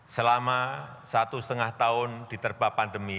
selama satu setengah tahun diterba pandemi